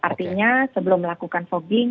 artinya sebelum melakukan fogging